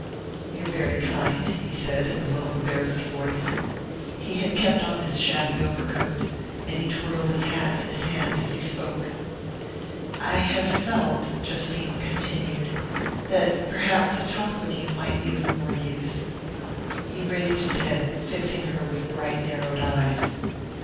"You're very kind," he said in a low embarrassed voice. He had kept on his shabby over coat, and he twirled his hat in his hands as he spoke. "I have felt," Justine continued, "that perhaps a talk with you might be of more use " He raised his head, fixing her with bright narrowed eyes.